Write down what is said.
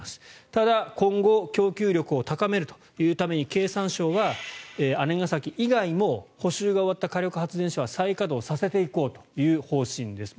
ただ、今後供給力を高めるというために経産省は姉崎以外も補修が終わった火力発電所は再稼働させていこうという方針です。